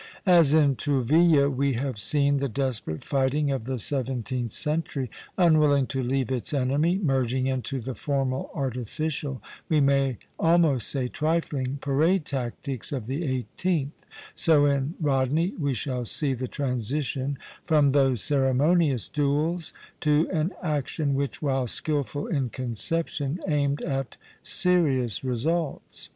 As in Tourville we have seen the desperate fighting of the seventeenth century, unwilling to leave its enemy, merging into the formal, artificial we may almost say trifling parade tactics of the eighteenth, so in Rodney we shall see the transition from those ceremonious duels to an action which, while skilful in conception, aimed at serious results.